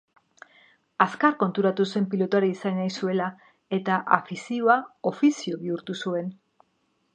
Azkar konturatu zen pilotari izan nahi zuela eta afizioa ofizo bihurtu zen.